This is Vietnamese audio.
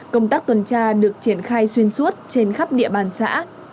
công tác tuần tra được triển khai xuyên suốt trên khắp địa bàn xã